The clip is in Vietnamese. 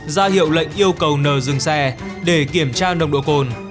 ra hiệu lệnh yêu cầu n dừng xe để kiểm tra nồng độ cồn